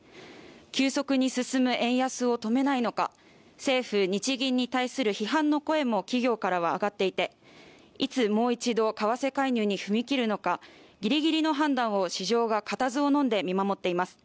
急速に進む円安を止めないのか政府日銀に対する批判の声も企業からは上がっていていつもう一度為替介入に踏み切るのかぎりぎりの判断を市場が固唾をのんで見守っています